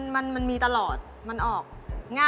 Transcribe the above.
มันมีตลอดมันออกง่าย